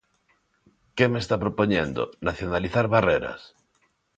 ¿Que me está propoñendo?, ¿nacionalizar Barreras?